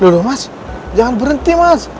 dulu mas jangan berhenti mas